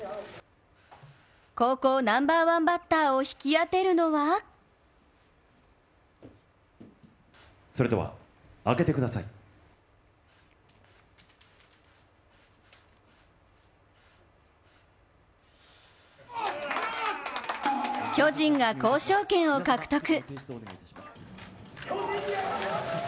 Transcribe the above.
高校ナンバーワンバッターを引き当てるのは巨人が交渉権を獲得！